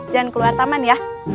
jangan keluar taman ya